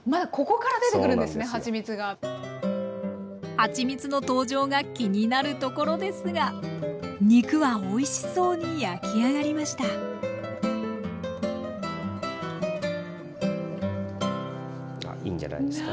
はちみつの登場が気になるところですが肉はおいしそうに焼き上がりましたあいいんじゃないですか？